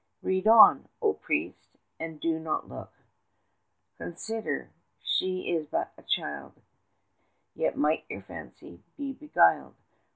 35 Read on, O priest, and do not look; Consider, she is but a child, Yet might your fancy be beguiled.